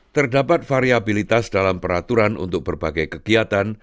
terdapat variabilitas dalam peraturan untuk berbagai kegiatan